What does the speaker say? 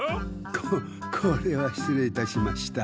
ここれはしつ礼いたしました。